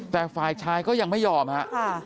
แต่ฝ่ายชายก็ยังไม่ยอมฮะ